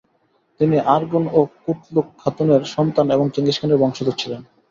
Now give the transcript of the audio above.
তিনি আরগুন ও কুতলুক খাতুনের সন্তান এবং চেঙ্গিস খানের বংশধর ছিলেন।